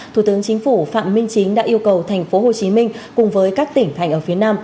thủ tướng chính phủ phạm minh chính đã yêu cầu thành phố hồ chí minh cùng với các tỉnh thành ở phía nam